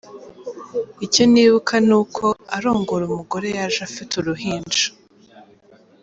Icyo nibuka ni uko arongoraumugore yaje afite uruhinja.